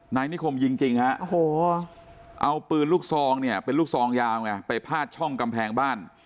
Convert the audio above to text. นายนิคมยิงจริงเอาปืนลูกซองเป็นลูกซองยาวไปพาดช่องกำแพงบ้าน